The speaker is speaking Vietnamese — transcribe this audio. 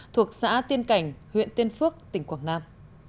thuộc xã tiên cảnh huyện tiên phước tỉnh quảng nam